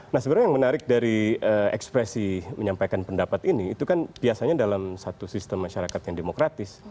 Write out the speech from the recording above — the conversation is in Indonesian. nah sebenarnya yang menarik dari ekspresi menyampaikan pendapat ini itu kan biasanya dalam satu sistem masyarakat yang demokratis